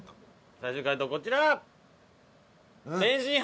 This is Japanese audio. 最終解答こちら！